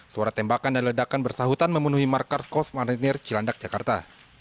suara tembakan dan ledakan bersahutan memenuhi markas kos marinir cilandak jakarta